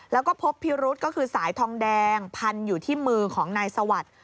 แล้วก็พบพิรุษก็คือสายทองแดงพันอยู่ที่มือของนายสวัสดิ์